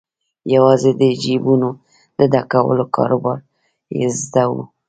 یوازې د جیبونو د ډکولو کاروبار یې زده وو.